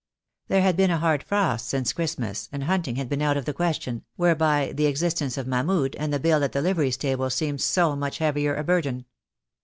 There had been a hard frost since Christmas, and hunting had been out of the question, whereby the ex istence of Mahmud, and the bill at the livery stable seemed so much the heavier a burden.